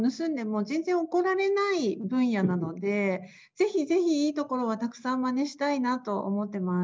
ぜひぜひいいところはたくさんまねしたいなと思ってます。